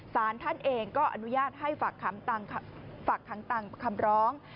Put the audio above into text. สารท่านเองก็อนุญาตให้ฝากขังตามคำร้อง